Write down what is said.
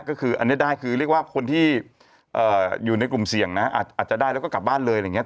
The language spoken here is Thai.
ก็คืออันนี้ได้คือเรียกว่าคนที่อยู่ในกลุ่มเสี่ยงนะอาจจะได้แล้วก็กลับบ้านเลยอะไรอย่างนี้